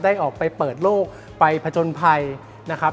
ได้ออกไปเปิดโลกไปผจญภัยนะครับ